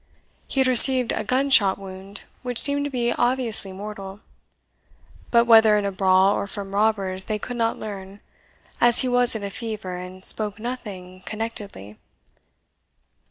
He had received a gun shot wound, which seemed to be obviously mortal; but whether in a brawl or from robbers they could not learn, as he was in a fever, and spoke nothing connectedly.